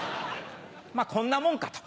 まぁこんなもんかと。